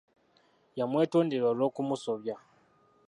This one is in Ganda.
Yamwetondera olw'okumusobya.